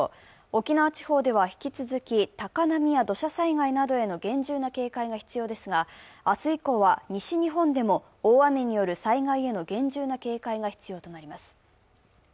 沖縄地方では引き続き高波や土砂災害への厳重な警戒が必要ですが、明日以降は西日本でも大雨による災害への厳重な警戒が必要となります。